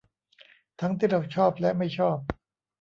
ทั้งที่เราชอบและไม่ชอบ